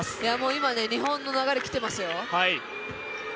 今、日本の流れ、きてますよ。